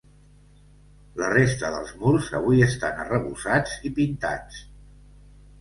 La resta dels murs avui estan arrebossats i pintats.